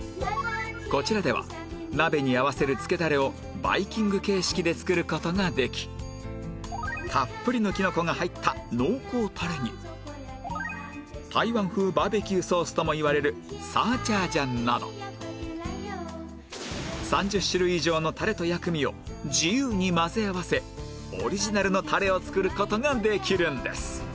こちらでは鍋に合わせるつけダレをバイキング形式で作る事ができたっぷりのキノコが入った濃厚たれに台湾風バーベキューソースともいわれるサーチャージャンなど３０種類以上のタレと薬味を自由に混ぜ合わせオリジナルのタレを作る事ができるんです